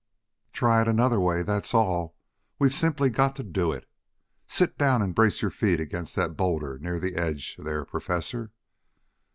"Try it another way, that's all. We've simply got to do it. Sit down and brace your feet against that boulder near the edge, there, Professor."